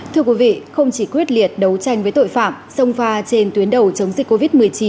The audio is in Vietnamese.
thưa quý vị không chỉ quyết liệt đấu tranh với tội phạm sông pha trên tuyến đầu chống dịch covid một mươi chín